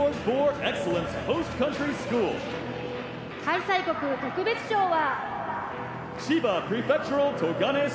開催国特別賞は。